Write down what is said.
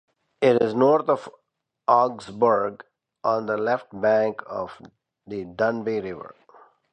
It is north of Augsburg, on the left bank of the Danube River.